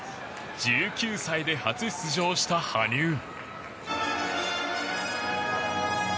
１９歳で初出場した羽生。